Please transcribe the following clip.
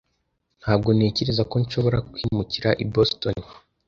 Ntabwo ntekereza ko nshobora kwimukira i Boston.